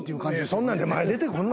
そんなんで前出てくんな。